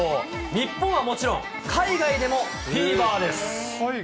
日本はもちろん、海外でもフィーバーです。